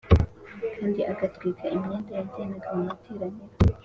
kandi agatwika imyenda yajyanaga mu materaniro